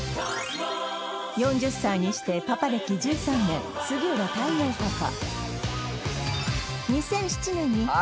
４０歳にしてパパ歴１３年杉浦太陽パパ